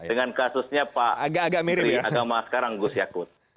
dengan kasusnya pak menteri agama sekarang gus yakut agak mirip ya